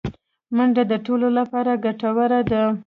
منډه د ټولو لپاره ګټوره ده